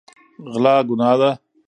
غلا ګناه ده.